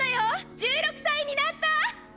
１６歳になった！